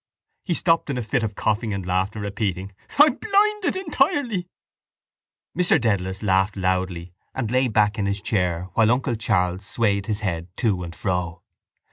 _ He stopped in a fit of coughing and laughter, repeating: —I'm blinded entirely. Mr Dedalus laughed loudly and lay back in his chair while uncle Charles swayed his head to and fro.